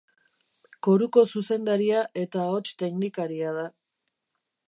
Koruko zuzendaria eta Ahots Teknikaria da.